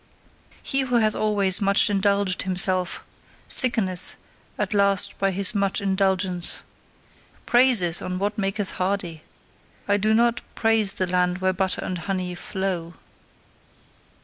He who hath always much indulged himself, sickeneth at last by his much indulgence. Praises on what maketh hardy! I do not praise the land where butter and honey flow!